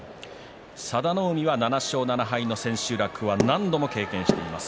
佐田の海は７勝７敗の千秋楽は何度も経験しています。